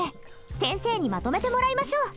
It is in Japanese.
先生にまとめてもらいましょう。